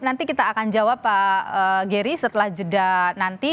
nanti kita akan jawab pak geri setelah jeda nanti